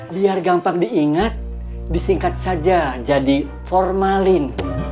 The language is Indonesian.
biar gampang diingat disingkat saja jadi formalin